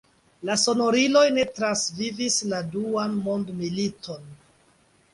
La sonoriloj ne transvivis la Duan mondmiliton.